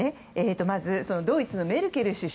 まず、ドイツのメルケル首相